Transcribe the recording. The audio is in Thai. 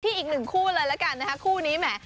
ที่อีก๑คู่แล้วกันนะคะคู่นี้แม่